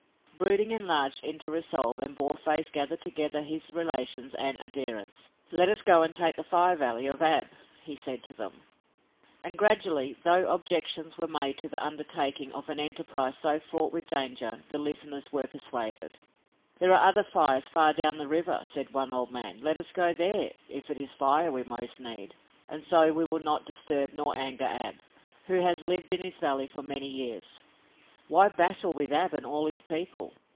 Brooding enlarged into resolve and Boarface gathered together his relations and adherents. "Let us go and take the Fire Valley of Ab," he said to them, and, gradually, though objections were made to the undertaking of an enterprise so fraught with danger, the listeners were persuaded. "There are other fires far down the river," said one old man. "Let us go there, if it is fire we most need, and so we will not disturb nor anger Ab, who has lived in his valley for many years. Why battle with Ab and all his people?"